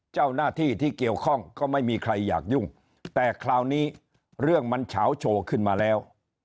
เจ้าหน้าที่ที่เกี่ยวข้องก็ไม่มีใครอยากยุ่งแต่คราวนี้เรื่องมันเฉาโชว์ขึ้นมาแล้ว